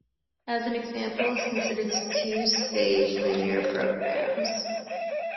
As an example, consider two-stage linear programs.